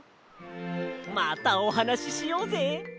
またおはなししようぜ！